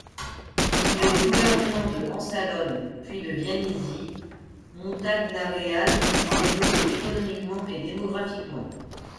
Sous le gouvernement de Ansalone, puis de Vianisi, Montagnareale s'est développé économiquement et démographiquement.